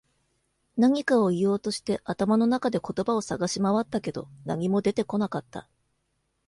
何かを言おうとして、頭の中で言葉を探し回ったけど、何も出てこなかった。